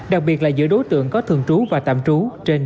đặc biệt là giữa đối tượng có thường trú và tạm trú